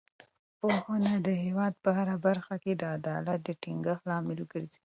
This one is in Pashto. پوهنه د هېواد په هره برخه کې د عدالت د ټینګښت لامل ګرځي.